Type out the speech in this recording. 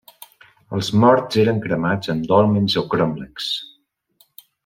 Els morts eren cremats en dòlmens o cromlecs.